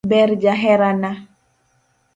Ber jaherana.